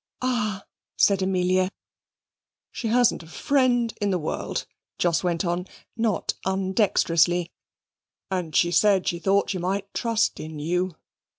"Ah!" said Amelia. "She hasn't a friend in the world," Jos went on, not undexterously, "and she said she thought she might trust in you.